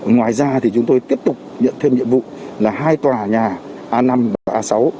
ngoài ra thì chúng tôi tiếp tục nhận thêm nhiệm vụ là hai tòa nhà a năm và a sáu